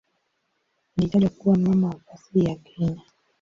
Alitajwa kuwa "mama wa fasihi ya Kenya".